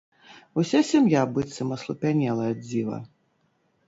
Уся сям'я быццам аслупянела ад дзіва.